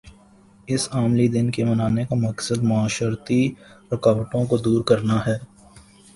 اس عالمی دن کے منانے کا مقصد معاشرتی رکاوٹوں کو دور کرنا ہے